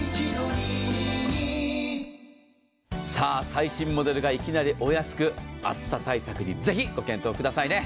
最新モデルがいきなりお安く、厚さ対策にぜひご検討くださいね。